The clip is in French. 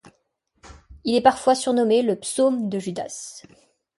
Il est parfois surnommé le Psaume de Judas.